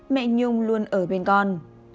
mẹ nhung luôn ở bên con